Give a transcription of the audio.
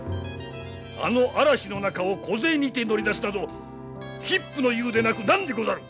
あの嵐の中を小勢にて乗り出すなど「匹夫の勇」でなく何でござる！